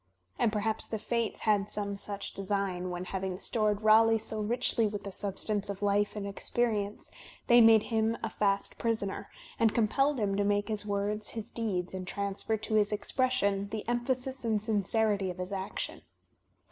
And perhaps the Fates had some such design, when, having stored Raleigh so richly with the substance of life and experience, they made him a fast prisoner, and compelled him to make his words his deeds and transfer to his expression the emphasis and sincerity of his action."